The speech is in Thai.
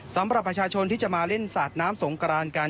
สำหรับประชาชนที่จะมาเล่นสาดน้ำสงกรานกัน